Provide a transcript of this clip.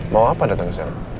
mau apa datang kesana